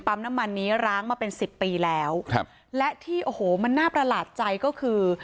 น้ำมันนี้ร้างมาเป็นสิบปีแล้วครับและที่โอ้โหมันน่าประหลาดใจก็คือ